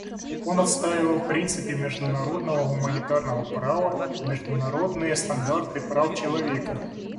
Он отстаивает принципы международного гуманитарного права и международные стандарты прав человека.